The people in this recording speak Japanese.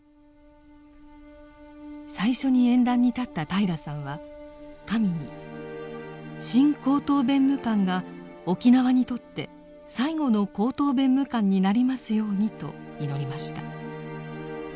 最初に演壇に立った平良さんは神に「新高等弁務官が沖縄にとって最後の高等弁務官になりますように」と祈りました。